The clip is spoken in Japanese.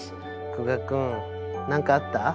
久我君何かあった？